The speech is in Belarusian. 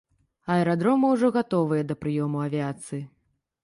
Аэрадромы ўжо гатовыя да прыёму авіяцыі.